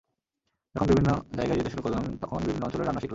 যখন বিভিন্ন জায়গায় যেতে শুরু করলাম, তখন বিভিন্ন অঞ্চলের রান্না শিখলাম।